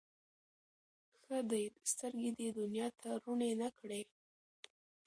ښه دی سترګي دي دنیا ته روڼي نه کړې